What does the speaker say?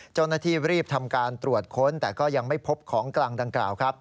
เจ้าหน้าที่รีบทำการตรวจค้นแต่ก็ยังไม่พบของกลางดังกล่าวครับ